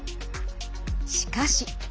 しかし。